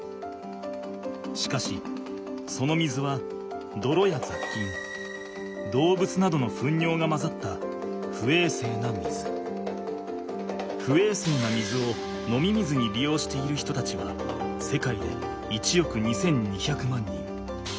しかしその水はどろや雑菌動物などのふんにょうがまざった不衛生な水を飲み水に利用している人たちは世界で１億２，２００万人。